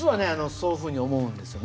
そういうふうに思うんですよね。